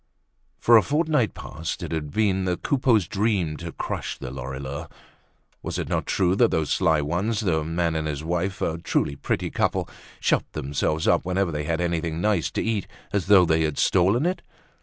For a fortnight past it had been the Coupeaus' dream to crush the Lorilleuxs. Was it not true that those sly ones, the man and his wife, a truly pretty couple, shut themselves up whenever they had anything nice to eat as though they had stolen it?